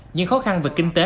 những khó khăn về kinh tế